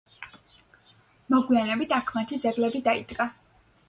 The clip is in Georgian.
მოგვიანებით აქ მათი ძეგლები დაიდგა.